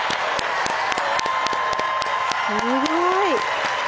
すごい！